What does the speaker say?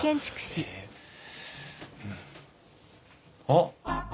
あっ！